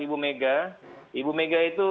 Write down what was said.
ibu mega ibu mega itu